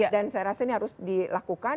dan saya rasa ini harus dilakukan